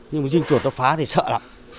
nhưng mà dân chuột nó phá thì sợ lắm